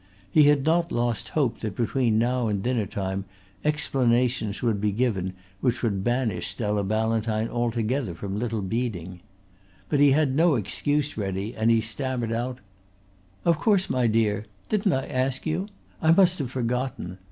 He had not lost hope that between now and dinner time explanations would be given which would banish Stella Ballantyne altogether from Little Beeding. But he had no excuse ready and he stammered out: "Of course, my dear. Didn't I ask you? I must have forgotten.